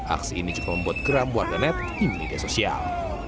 aksi ini juga membuat geram warga net di media sosial